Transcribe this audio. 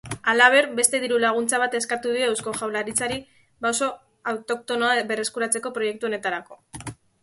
Halaber, beste dirulaguntza bat eskatu dio Eusko Jaurlaritzari baso autoktonoa berreskuratzeko proiektu honetarako.